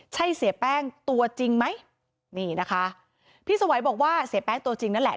ใช่เสียแป้งตัวจริงไหมนี่นะคะพี่สวัยบอกว่าเสียแป้งตัวจริงนั่นแหละ